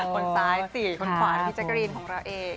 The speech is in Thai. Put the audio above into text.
คนซ้าย๔คนขวานะพี่แจกรีนของเราเอง